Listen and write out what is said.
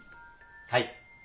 はい。